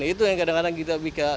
itu yang kadang kadang kita bisa